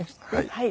はい。